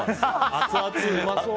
アツアツ、うまそう。